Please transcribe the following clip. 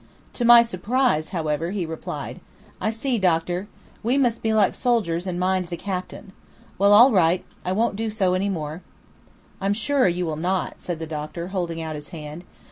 To my surprise, however, he replied: "I see, doctor; we must be like soldiers and mind the captain. Well, all right. I won't do so any more." "I'm sure you will not," said the doctor, holding out his hand.